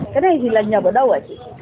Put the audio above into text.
cái này thì là nhập ở đâu ạ chị